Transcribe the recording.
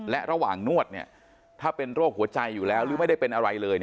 และระหว่างนวดถ้าเป็นโรคหัวใจอยู่แล้วหรือไม่ได้เป็นอะไรเลย